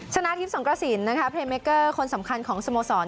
ชนะทีมส่งกระสินนะคะเปรย์เมกเกอร์คนสำคัญของสโมสร